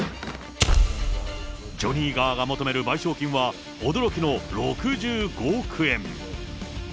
ジョニー側が求める賠償金は驚きの６５億円。